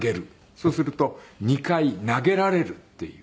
そうすると２回投げられるっていう。